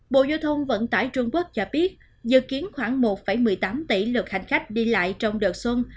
bộ giao thông vận tải trung quốc cho biết dự kiến khoảng một một mươi tám tỷ lượt hành khách đi lại trong đợt xuân